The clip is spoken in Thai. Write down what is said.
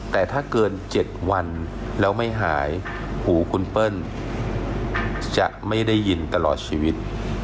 แต่ถ้าเกิน๗วันแล้วไม่หายหูคุณเปิ้ลจะไม่ได้ยินตลอดชีวิต